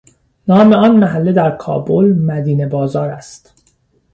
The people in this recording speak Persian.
نام آن محله در کابل، مدینه بازار است